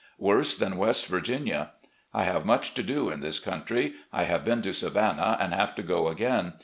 Worse than West Virginia. ... I have much to do in this coimtry. I have been to Savannah and have to go again.